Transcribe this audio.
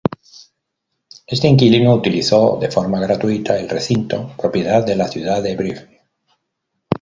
Este inquilino utilizó, de forma gratuita, el recinto, propiedad de la ciudad de Brive.